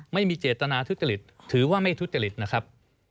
ไม่มีเจตนาทุจริตถือว่าไม่ทุจริตนะครับ